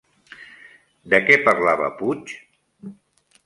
De què parlava Puig?